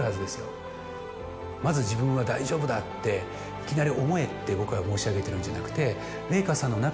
まず自分は大丈夫だっていきなり思えって僕は申し上げてるんじゃなくて。